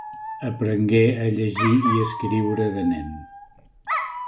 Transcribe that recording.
Aprengué a llegir i escriure de nen.